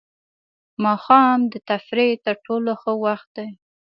ماښام د تفریح تر ټولو ښه وخت دی.